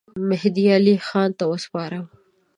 مهدي علي خان ته وسپارم.